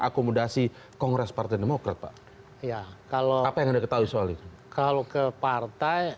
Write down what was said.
akomodasi kongres partai demokrat pak ya kalau apa yang ada ketahui soal itu kalau ke partai